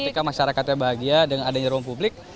ketika masyarakatnya bahagia dengan adanya ruang publik